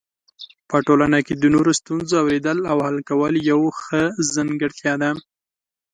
په ټولنه کې د نورو ستونزو اورېدل او حل کول یو ښه ځانګړتیا ده.